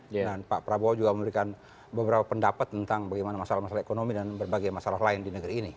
dan pak prabowo juga memberikan beberapa pendapat tentang bagaimana masalah masalah ekonomi dan berbagai masalah lain di negeri ini